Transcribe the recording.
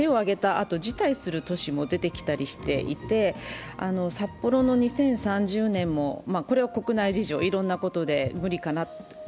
あと、辞退する都市も出てきたりしていて札幌の２０３０年も、これは国内事情、いろいろなことで無理かなって。